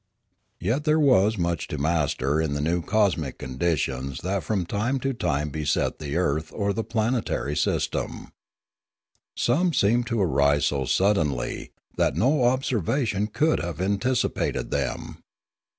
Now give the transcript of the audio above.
Yet there was much to master in the new cosmic conditions that from time to time beset the earth or the planetary system. Some seemed to arise so suddenly that no observation could have anticipated them.